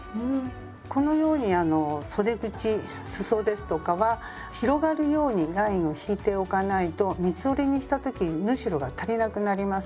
このようにあのそで口すそですとかは広がるようにラインを引いておかないと三つ折りにした時に縫い代が足りなくなります。